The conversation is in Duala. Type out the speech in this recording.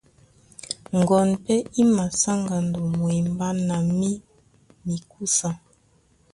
Ŋgoɔn pɛ́ í masá ŋgando mwembá na mí mikúsa.